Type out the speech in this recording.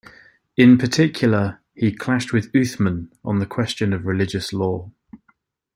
In particular, he clashed with Uthman on the question of religious law.